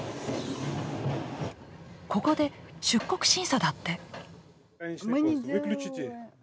ここで出国審査だって。